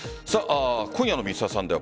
今夜の「Ｍｒ．サンデー」